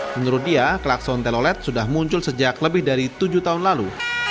menurut dia klakson telolet sudah muncul sejak lebih dari tujuh tahun lalu